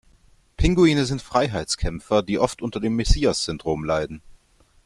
Pinguine sind Freiheitskämpfer, die oft unter dem Messias-Syndrom leiden.